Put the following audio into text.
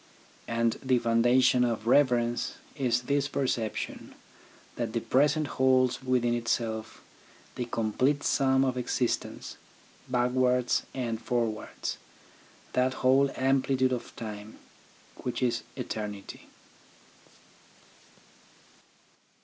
And the foundation of reverence is this perception, that the present holds within itself the complete sum of existence, backwards and forwards, that whole amplitude of time, which is eternity.